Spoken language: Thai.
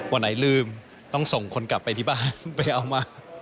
วันไหนลืมต้องส่งคนกลับไปที่บ้านไปเอามา